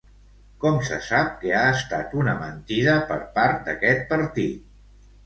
Com se sap que ha estat una mentida per part d'aquest partit?